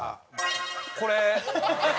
これ。